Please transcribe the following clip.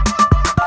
kau mau kemana